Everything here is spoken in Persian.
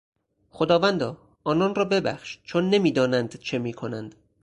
خداوندا آنان را ببخش چون نمیدانند چه میکنند.